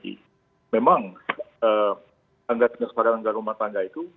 jadi memang anggaran dasar dan anggaran rumah tangga itu